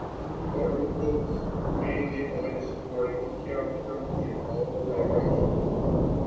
He borrowed books, mainly of an historical character, in all directions.